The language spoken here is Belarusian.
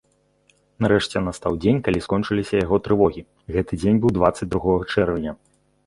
Нарэшце настаў дзень, калі скончыліся яго трывогі, гэты дзень быў дваццаць другога чэрвеня.